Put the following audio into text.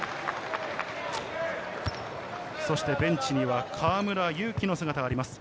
ベンチには河村勇輝の姿があります。